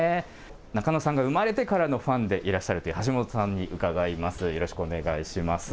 ナカノさんが生まれてからのファンでいらっしゃるという橋本さんに伺います、よろしくお願いします。